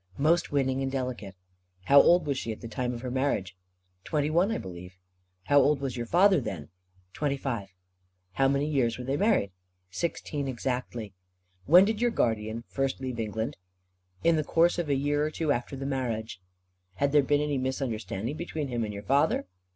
"Most winning and delicate." "How old was she at the time of her marriage?" "Twenty one, I believe." "How old was your father then?" "Twenty five." "How many years were they married?" "Sixteen, exactly." "When did your guardian first leave England?" "In the course of a year or two after the marriage." "Had there been any misunderstanding between him and your father?"